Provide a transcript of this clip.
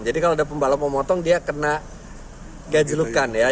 jadi kalau ada pembalap memotong dia kena gajelukan ya